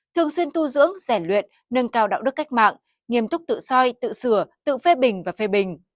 thường xuyên tu dưỡng rèn luyện nâng cao đạo đức cách mạng nghiêm túc tự soi tự sửa tự phê bình và phê bình